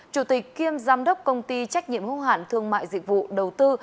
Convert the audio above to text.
chủ tịch kiêm giám đốc công ty trách nhiệm hữu hạn thương mại dịch vụ đầu tư